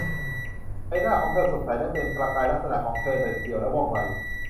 ใบหน้าของเธอสดใสและเป็นประกายลักษณะของเธอเด็ดเดี่ยวและว่องไว